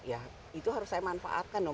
ya itu harus saya manfaatkan dong